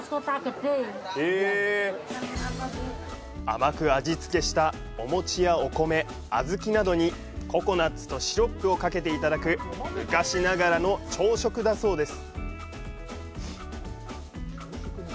甘く味付けしたおもちやお米、小豆などにココナッツとシロップをかけていただく昔ながらの朝食だそうです。